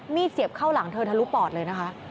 เสียบเข้าหลังเธอทะลุปอดเลยนะคะ